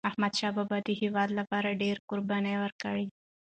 احمدشاه بابا د هیواد لپاره ډيري قربانی ورکړي.